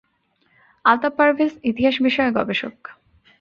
আলতাফ পারভেজ ইতিহাস বিষয়ে গবেষক